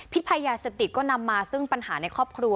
ภัยยาเสพติดก็นำมาซึ่งปัญหาในครอบครัว